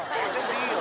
いいよ！